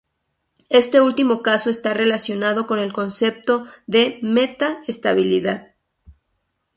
Este último caso está relacionado con el concepto de meta-estabilidad.